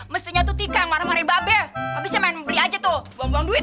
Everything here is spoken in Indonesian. mestinya tuh tika yang marah marahin babe tapi saya main beli aja tuh buang buang duit